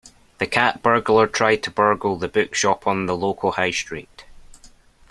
The cat burglar tried to burgle the bookshop on the local High Street